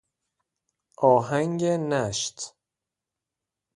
آهنگ نشت